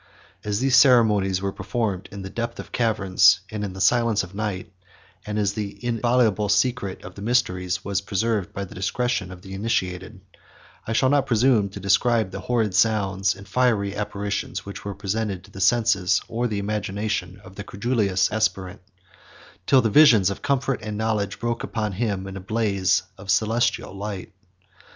As these ceremonies were performed in the depth of caverns, and in the silence of the night, and as the inviolable secret of the mysteries was preserved by the discretion of the initiated, I shall not presume to describe the horrid sounds, and fiery apparitions, which were presented to the senses, or the imagination, of the credulous aspirant, 24 till the visions of comfort and knowledge broke upon him in a blaze of celestial light.